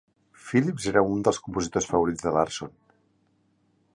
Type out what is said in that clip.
Phillips era un dels compositors favorits de Larson.